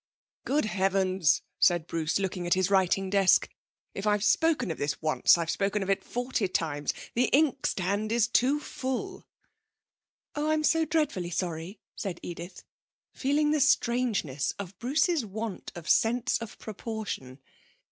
'Good heavens,' said Bruce, looking at his writing desk, 'if I've spoken of this once I've spoken of it forty times! The inkstand is too full!' 'Oh! I'm so dreadfully sorry,' said Edith, feeling the strangeness of Bruce's want of sense of proportion.